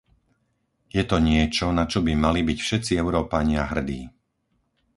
Je to niečo, na čo by mali byť všetci Európania hrdí.